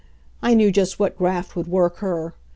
I knew just what graft would work her.